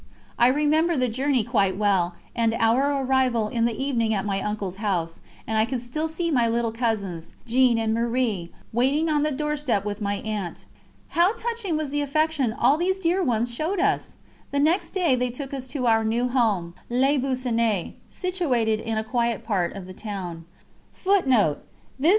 I remember the journey quite well, and our arrival in the evening at my uncle's house, and I can still see my little cousins, Jeanne and Marie, waiting on the doorstep with my aunt. How touching was the affection all these dear ones showed us! The next day they took us to our new home, Les Buissonets, situated in a quiet part of the town.